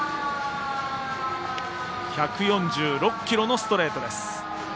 １４６キロのストレートでした。